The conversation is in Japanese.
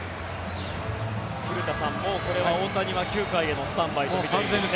古田さん、これは大谷は９回へのスタンバイとみていいですか？